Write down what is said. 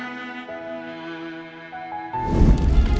kau mau ngapain